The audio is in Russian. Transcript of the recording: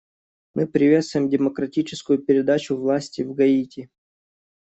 Мы приветствуем демократическую передачу власти в Гаити.